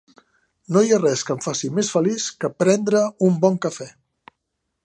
No hi ha res que em faci més feliç que prendre un bon cafè